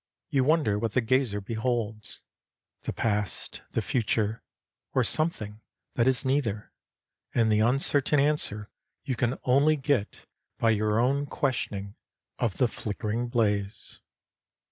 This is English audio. You wonder what the gazer beholds the past, the future, or something that is neither; and the uncertain answer you can only get by your own questioning of the flickering blaze.